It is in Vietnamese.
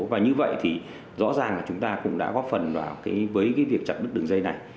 và như vậy thì rõ ràng là chúng ta cũng đã góp phần vào với cái việc chặt đứt đường dây này